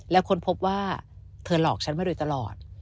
แล้วค้นพบว่าเธอหลอกฉันมาโดยตลอด